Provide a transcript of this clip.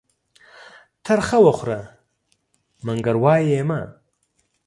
تر خه وخوره ، منگر وايه يې مه.